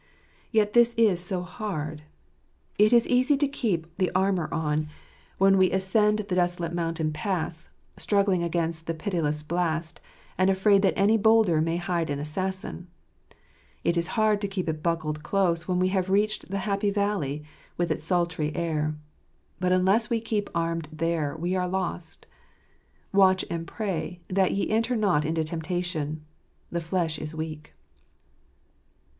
Yet this is so hard. It is easy to keep the armour on when we 36 In tbc Sons* nf ^ntrpfrar. ascend the desolate mountain pass, struggling against the pitiless blast, and afraid that any boulder may hide an assassin. It is hard to keep it buckled close when we , have reached the happy valley, with its sultry air. But ' unless we keep armed there, we are lost. "Watch and pray, that ye enter not into temptation. The flesh is j weak."